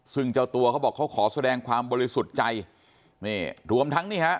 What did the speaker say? ซึ่งเจ้าตัวเขาบอกเขาขอแสดงความบริสุทธิ์ใจนี่รวมทั้งนี่ฮะ